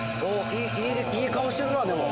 いい顔してるなでも。